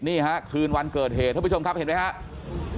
นี่ฮะคืนวันเกิดเหตุท่านผู้ชมครับเห็นไหมครับ